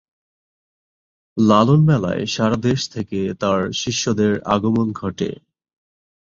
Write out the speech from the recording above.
লালন মেলায় সারা দেশ থেকে তার শিষ্যদের আগমন ঘটে।